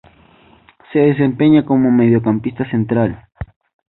Se desempeña como mediocampista central.